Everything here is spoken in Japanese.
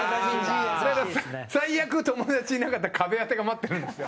最悪、友達いなかったら壁当てが待ってるんですよ。